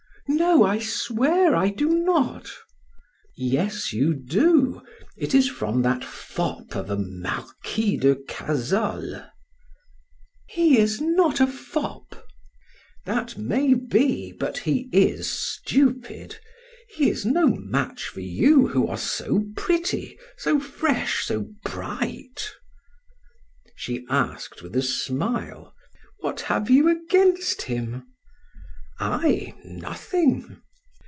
"No, I swear I do not." "Yes, you do. It is from that fop of a Marquis de Cazolles." "He is not a fop." "That may be, but he is stupid. He is no match for you who are so pretty, so fresh, so bright!" She asked with a smile: "What have you against him?" "I? Nothing!"